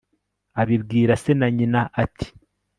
abibwira se na nyina, ati